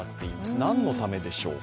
何のためでしょうか？